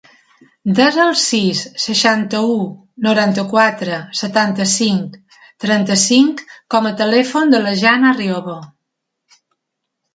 Desa el sis, seixanta-u, noranta-quatre, setanta-cinc, trenta-cinc com a telèfon de la Janna Riobo.